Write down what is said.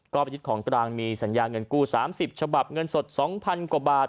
ก็ไปยึดของกลางมีสัญญาเงินกู้๓๐ฉบับเงินสด๒๐๐กว่าบาท